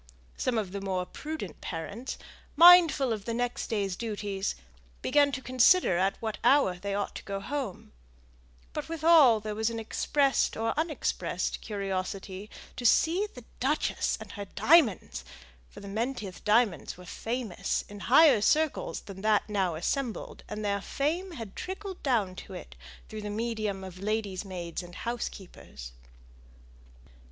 Some of the more prudent parents, mindful of the next day's duties, began to consider at what hour they ought to go home; but with all there was an expressed or unexpressed curiosity to see the duchess and her diamonds; for the Menteith diamonds were famous in higher circles than that now assembled; and their fame had trickled down to it through the medium of ladies' maids and housekeepers.